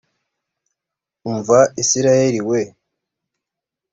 umva isirayeli we!